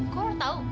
kok lo tau